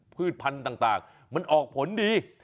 พืชพันธุ์ต่างมันออกผลดี